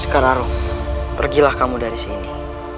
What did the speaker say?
skalaroh pergilah kamu dari sini